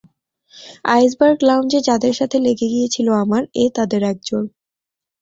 Iceberg লাউঞ্জে যাদের সাথে লেগে গিয়েছিল আমার, এ তাদের একজন।